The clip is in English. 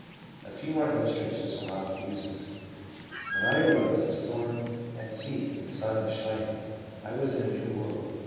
A few more illustrations will not be useless :" When I arose the storm had ceased and the sun was shining. I was in a new world!